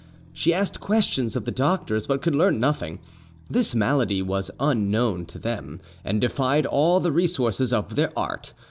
She asked questions of the doctors but could learn nothing: this malady was unknown to them, and defied all the resources of their art.